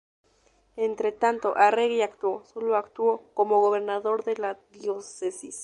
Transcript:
Entretanto, Arregui actuó solo actuó como gobernador de la diócesis.